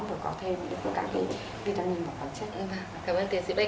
vừa có thêm các cái vitamin và khoáng chất